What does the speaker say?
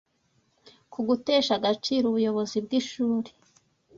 ku gutesha agaciro ubuyobozi bw’ishuri,